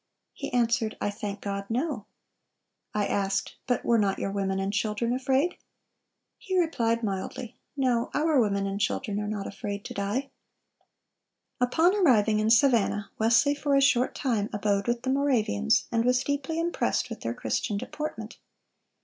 He answered, 'I thank God, no,' I asked, 'But were not your women and children afraid?' He replied mildly, 'No; our women and children are not afraid to die.' "(371) Upon arriving in Savannah, Wesley for a short time abode with the Moravians, and was deeply impressed with their Christian deportment.